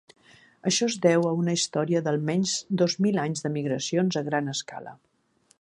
Això es deu a una història d'almenys dos mil anys de migracions a gran escala.